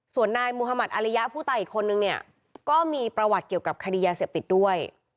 ส่วนนายมุธมัติอาริยะผู้ตายอีกคนนึงเนี่ยก็มีประวัติเกี่ยวกับคดียาเสพติดด้วย